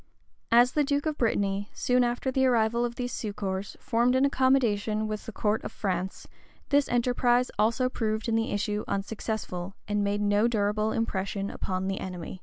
As the duke of Brittany, soon after the arrival of these succors, formed an accommodation with the court of France, this enterprise also proved in the issue unsuccessful, and made no durable impression upon the enemy.